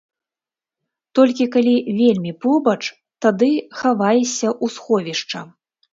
Толькі калі вельмі побач, тады хаваешся ў сховішча.